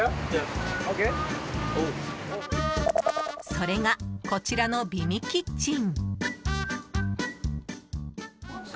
それが、こちらの美味キッチン。